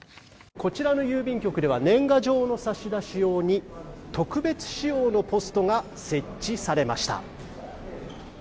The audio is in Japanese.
こちらの郵便局では年賀状の差し出し用に特別仕様のポストが設置されました。